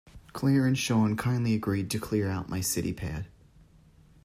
Claire and Sean kindly agreed to clear out my city pad.